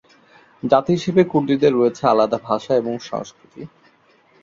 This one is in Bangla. জাতি হিসেবে কুর্দিদের রয়েছে আলাদা ভাষা এবং সংস্কৃতি।